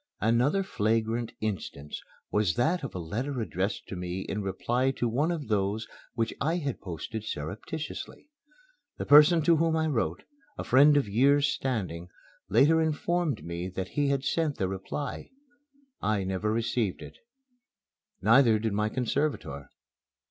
Another flagrant instance was that of a letter addressed to me in reply to one of those which I had posted surreptitiously. The person to whom I wrote, a friend of years' standing, later informed me that he had sent the reply. I never received it. Neither did my conservator.